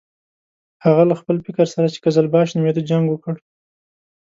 هغه له خپل لښکر سره چې قزلباش نومېده جنګ وکړ.